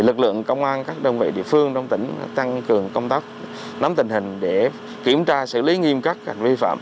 lực lượng công an các đồng vị địa phương trong tỉnh tăng cường công tác nắm tình hình để kiểm tra xử lý nghiêm cắt hành vi phạm